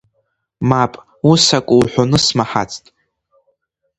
Мап, ус ак уҳәоны смаҳацт.